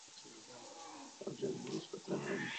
Jsme mírně řečeno zděšení, že Komise nejedná.